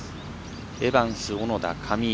エバンス、小野田、上井。